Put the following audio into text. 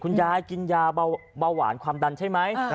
คุณยายกินยาเบาหวานความดันใช่ไหม